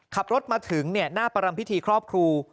ขับรถมาถึงเนี่ยหน้าปรัมพิธีครอบครู